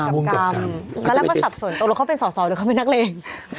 กรรมตอนแรกก็สับสนตกลงเขาเป็นสอสอหรือเขาเป็นนักเลง